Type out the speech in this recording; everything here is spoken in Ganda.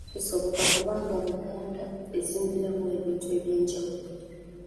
Kisoboka kubanga Buganda ezingiramu ebintu eby'enjawulo.